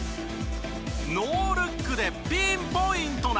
ノールックでピンポイントなパス。